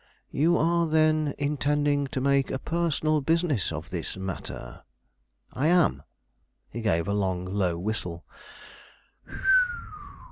"You are, then, intending to make a personal business of this matter?" "I am." He gave a long, low whistle.